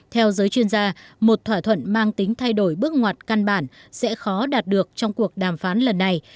theo giới chuyên gia một thỏa thuận mang tính thay đổi bước ngoặt căn bản sẽ khó đạt được trong cuộc đàm phán lần này